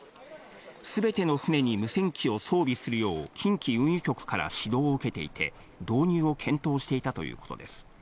すべての船に無線機を装備するよう近畿運輸局から指導を受けていて、導入を検討していたということです。